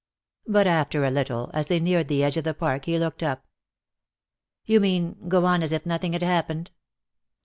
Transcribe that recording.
But after a little, as they neared the edge of the park, he looked up. "You mean, go on as if nothing had happened?"